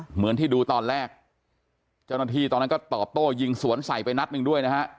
เหมือนที่ดูตอนแรกเจ้าหน้าที่ตอนนั้นก็ตอบโต้ยิงสวนใส่ไปนัดหนึ่งด้วยนะฮะ